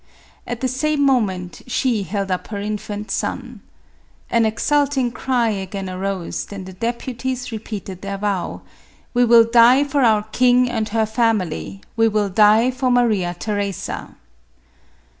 At the same moment, she held up her infant son. An exulting cry again arose ; and the deputies repeated their vow, " We will die for our king and her family ; we will die for Maria Theresa."